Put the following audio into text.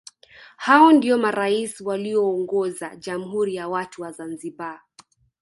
Hao ndio marais walioongoza Jamhuri ya watu wa Zanzibar